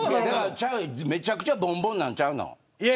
めちゃくちゃボンボンなんちゃうの。